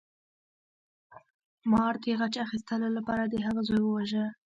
مار د غچ اخیستلو لپاره د هغه زوی وواژه.